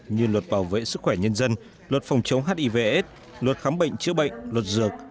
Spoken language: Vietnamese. như luật bảo vệ sức khỏe nhân dân luật phòng chống hivs luật khám bệnh chữa bệnh luật dược